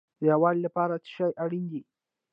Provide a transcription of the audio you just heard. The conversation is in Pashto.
د یووالي لپاره څه شی اړین دی؟